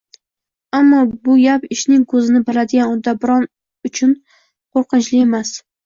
Ammo bu gap «ishning ko‘zini biladigan» uddaburonlar uchun ham qo‘rqinchli emas.